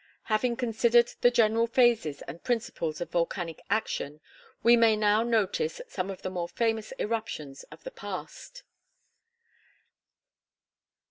Having considered the general phases and principles of volcanic action, we may now notice some of the more famous eruptions of the past.